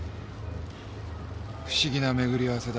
不思議な巡り合わせだ。